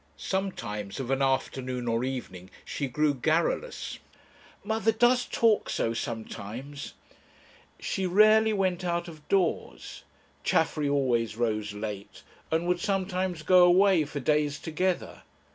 Sometimes of an afternoon or evening she grew garrulous. "Mother does talk so sometimes." She rarely went out of doors. Chaffery always rose late, and would sometimes go away for days together.